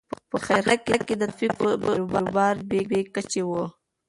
په خیرخانه کې د ترافیکو بېروبار ډېر بې کچې و.